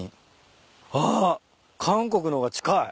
あっ韓国の方が近い。